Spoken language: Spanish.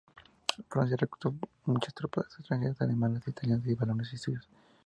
Francia reclutó muchas tropas extranjeras: alemanes, italianos, valones y suizos.